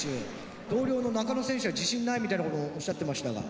同僚の中野選手は自信ないみたいな事おっしゃってましたが。